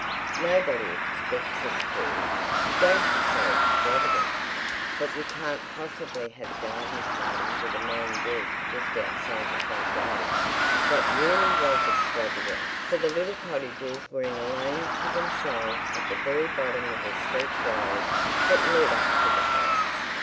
Nobody expects us to. Don't be so extravagant." "But we can't possibly have a garden party with a man dead just outside the front gate." That really was extravagant, for the little cottages were in a lane to themselves at the very bottom of a steep rise that led up to the house.